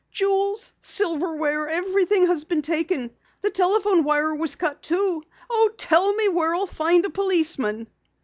"Jewels, silverware, everything has been taken! The telephone wire was cut, too! Oh, tell me where I'll find a policeman!"